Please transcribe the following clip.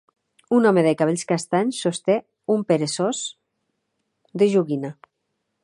Un home de cabells castanys sosté un peresós de joguina.